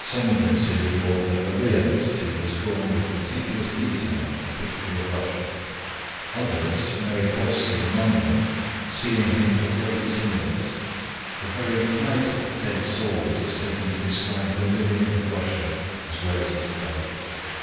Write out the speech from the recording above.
Some consider the author a realist who has drawn with meticulous detail a picture of Russia; others, Merejkovsky among them, see in him a great symbolist; the very title Dead Souls is taken to describe the living of Russia as well as its dead.